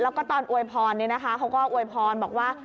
แล้วก็ตอนอวยพรเขาก็อวยพรบอกว่า